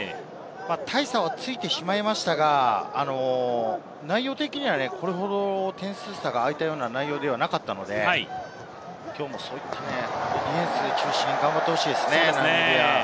大差はついてしまいましたが、内容的にはこれほど点数差があいたような内容ではなかったので、きょうもそういったディフェンス中心に頑張ってほしいですね、ナミビアは。